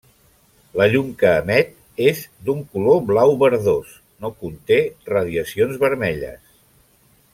La llum que emet és d'un color blau verdós; no conté radiacions vermelles.